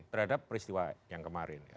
terhadap peristiwa yang kemarin